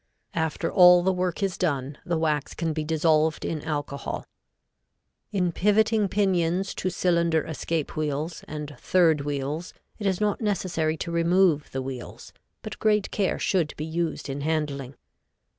After all the work is done, the wax can be dissolved in alcohol. In pivoting pinions to cylinder escape wheels and third wheels, it is not necessary to remove the wheels, but great care should be used in handling.